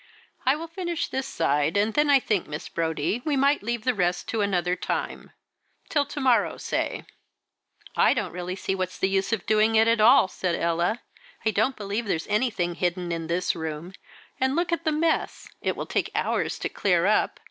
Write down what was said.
"I will finish this side, and then I think, Miss Brodie, we might leave the rest to another time till to morrow, say." "I really don't see what's the use of doing it at all," said Ella. "I don't believe there's anything hidden in this room; and look at the mess, it will take hours to clear it up.